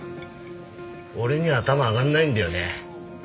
俺には頭上がんないんだよね。